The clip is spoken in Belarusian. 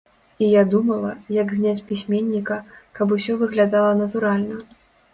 І я думала, як зняць пісьменніка, каб усё выглядала натуральна.